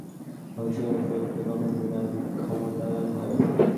মানুষ আয়বৃদ্ধিমূলক কাজে বেশি অংশগ্রহণের সুযোগ পেলে কর্মজীবী নারীর ক্ষমতায়ন হয়।